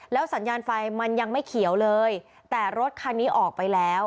สัญญาณไฟมันยังไม่เขียวเลยแต่รถคันนี้ออกไปแล้ว